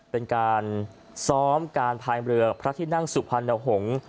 เป็นการซ้อมการพายเรือพระที่นั่งสุพรรณหงษ์